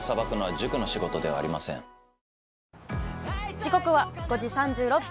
時刻は５時３６分。